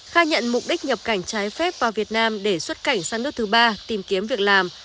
khai nhận mục đích nhập cảnh trái phép vào việt nam để xuất cảnh sang nước thứ ba tìm kiếm việc làm